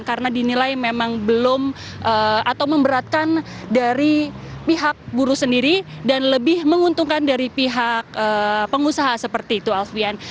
karena dinilai memang belum atau memberatkan dari pihak buruh sendiri dan lebih menguntungkan dari pihak pengusaha seperti itu alfian